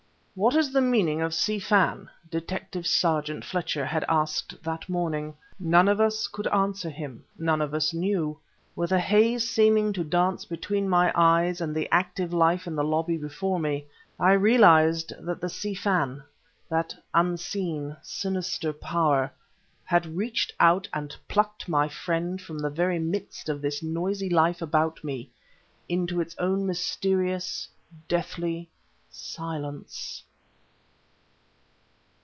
"What is the meaning of Si Fan?" Detective sergeant Fletcher had asked that morning. None of us could answer him; none of us knew. With a haze seeming to dance between my eyes and the active life in the lobby before me, I realized that the Si Fan that unseen, sinister power had reached out and plucked my friend from the very midst of this noisy life about me, into its own mysterious, deathly silence.